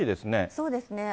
そうですね。